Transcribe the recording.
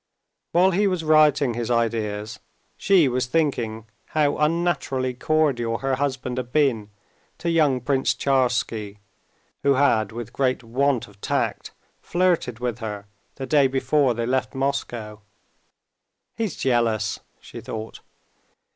While he was writing his ideas she was thinking how unnaturally cordial her husband had been to young Prince Tcharsky, who had, with great want of tact, flirted with her the day before they left Moscow. "He's jealous," she thought.